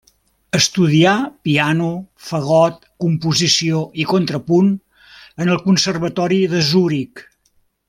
Estudià piano, fagot, composició i contrapunt en el Conservatori de Zuric.